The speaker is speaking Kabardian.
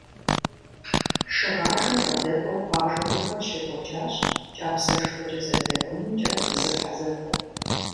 Шыгъажэм къыдэкӏуэу къуажэм гупэм щекӏуэкӏащ кӏапсэшхуэкӏэ зэпекъунымкӏэ зэхьэзэхуэ.